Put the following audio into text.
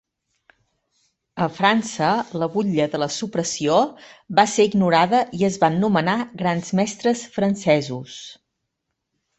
A França, la Butlla de la supressió va ser ignorada i es van nomenar Grans Mestres francesos.